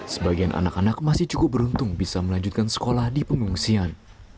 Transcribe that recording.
sebagian anak anak masih cukup beruntung bisa melanjutkan sekolah di pengungsian